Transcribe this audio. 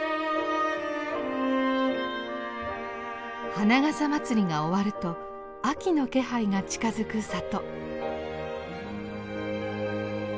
花笠まつりが終わると秋の気配が近づく里。